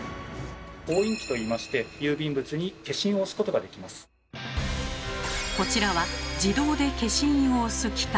「押印機」と言いましてこちらは自動で消印を押す機械。